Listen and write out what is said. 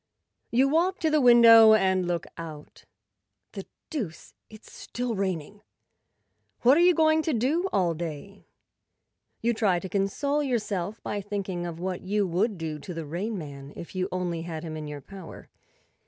You walk to the window and look out. The deuce! It's still raining. What are you going to do all day? You try to console yourself by thinking of what you would do to the Rain Man if you only had him in your power.